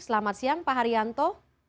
selamat siang pak haryanto